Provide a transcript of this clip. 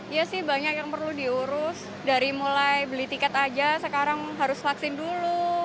ya sih banyak yang perlu diurus dari mulai beli tiket aja sekarang harus vaksin dulu